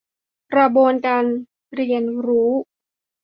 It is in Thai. กระบวนการเรียนรู้